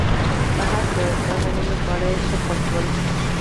په هر صورت، دغه نوي خواړه یې ښه خوښ شول.